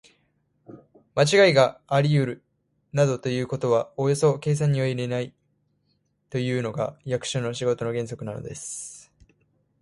まちがいがありうるなどということはおよそ計算には入れないというのが、役所の仕事の原則なのです。